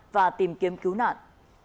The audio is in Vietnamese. và tìm kiếm cứu nạn